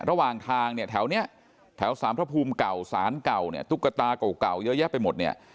ระหว่างทางเนี่ยแถวนี้แถวสารพระภูมิเก่าสารเก่าเนี่ยตุ๊กตาเก่าเยอะแยะไปหมดเนี่ย